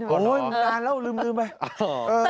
โอ้โฮนานแล้วลืมไป